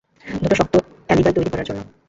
দুটো শক্ত অ্যালিবাই তৈরী করার জন্য।